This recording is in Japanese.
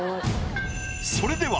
それでは。